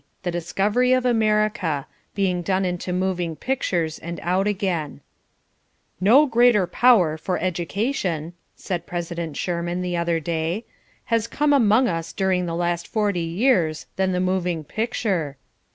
The Discovery of America; Being Done into Moving Pictures and Out Again "No greater power for education," said President Shurman the other day, "has come among us during the last forty years than the moving picture."